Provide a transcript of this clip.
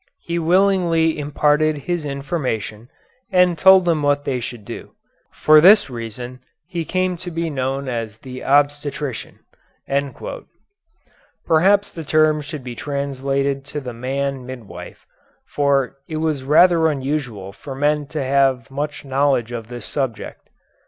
He willingly imparted his information, and told them what they should do. For this reason he came to be known as the Obstetrician." Perhaps the term should be translated the man midwife, for it was rather unusual for men to have much knowledge of this subject.